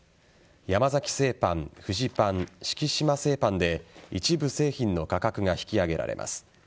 山崎製パン、フジパン敷島製パンで一部製品の価格が引き上げられます。